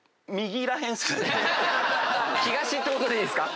東ってことでいいですか？